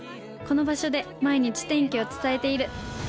この場所で毎日天気を伝えている